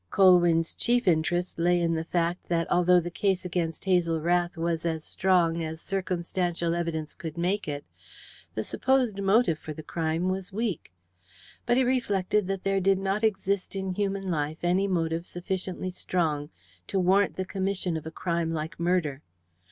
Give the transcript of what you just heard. Colwyn's chief interest lay in the fact that, although the case against Hazel Rath was as strong as circumstantial evidence could make it, the supposed motive for the crime was weak. But he reflected that there did not exist in human life any motive sufficiently strong to warrant the commission of a crime like murder.